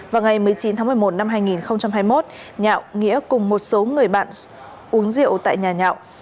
vào ngày một mươi chín tháng một mươi một năm hai nghìn hai mươi một nhạo nghĩa cùng một số người bạn uống rượu tại nhà nhạo